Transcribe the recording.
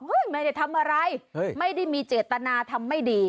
ไม่ได้ทำอะไรไม่ได้มีเจตนาทำไม่ดี